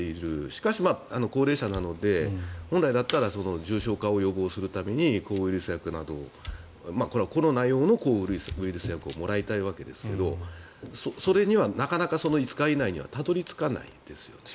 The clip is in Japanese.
しかし高齢者なので本来なら重症化を予防するために抗ウイルス薬などをこれはコロナ用の抗ウイルス薬をもらいたいわけですがそれにはなかなか５日以内にはたどり着かないですよね。